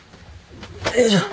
よいしょ。